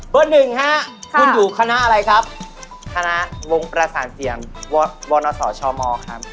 หนึ่งฮะคุณอยู่คณะอะไรครับคณะวงประสานเสียงบนสชมครับ